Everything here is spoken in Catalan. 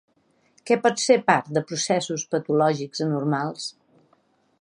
Què pot ser part de processos patològics anormals?